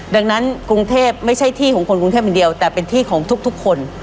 ดังนั้นกรุงเทพไม่ใช่ที่ของคนกรุงเทพอย่างเดียวแต่เป็นที่ของทุกคน